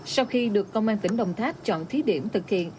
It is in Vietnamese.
sau khi được công an tỉnh đồng tháp chọn thí điểm thực hiện